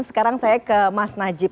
sekarang saya ke mas najib